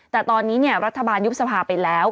แต่ตอนนี้เนี่ยรัฐบาลยุทธภาพไปแล้ว